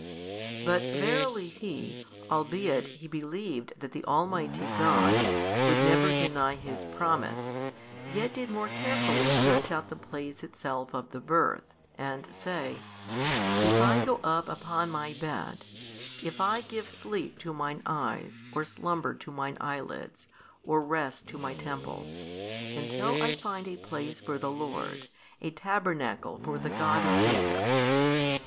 But verily he, albeit he believed that the Almighty God would never deny His Promise, yet did more carefully search out the place itself of the Birth and say, If I go up upon my bed, if I give sleep to mine eyes or slumber to mine eyelids or rest to my temples, until I find a place for the Lord, a tabernacle for the God of Jacob.